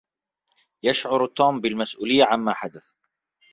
يشعر توم بالمسؤولية عما حدث.